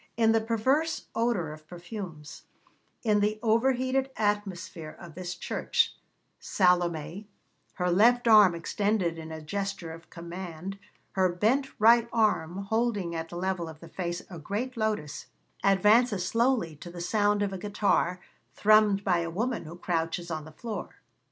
In the perverse odour of perfumes, in the overheated atmosphere of this church, Salomé, her left arm extended in a gesture of command, her bent right arm holding at the level of the face a great lotus, advances slowly to the sound of a guitar, thrummed by a woman who crouches on the floor.